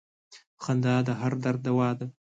• خندا د هر درد دوا ده.